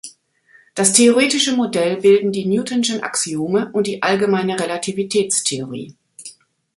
Das theoretische Modell bilden die newtonschen Axiome und die allgemeine Relativitätstheorie.